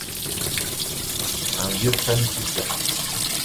Un vieux frêne soupira ;